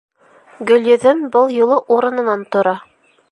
Гөлйөҙөм был юлы урынынан тора.